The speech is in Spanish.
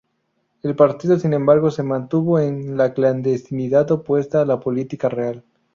El partido, sin embargo, se mantuvo en la clandestinidad, opuesto a la política real.